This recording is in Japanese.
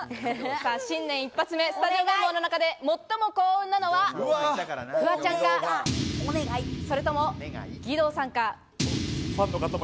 新年１発目、スタジオメンバーの中で最も幸運なのはフワちゃんか、それとも、義堂さんか？